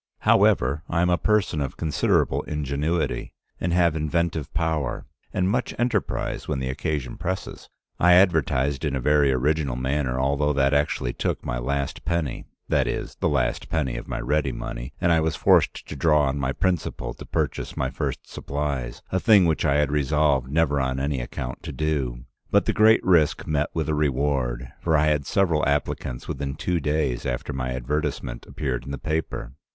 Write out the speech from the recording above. However, I am a person of considerable ingenuity, and have inventive power, and much enterprise when the occasion presses. I advertised in a very original manner, although that actually took my last penny, that is, the last penny of my ready money, and I was forced to draw on my principal to purchase my first supplies, a thing which I had resolved never on any account to do. But the great risk met with a reward, for I had several applicants within two days after my advertisement appeared in the paper.